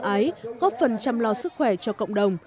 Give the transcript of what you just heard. hội thầy thuốc campuchia gốc phần chăm lo sức khỏe cho cộng đồng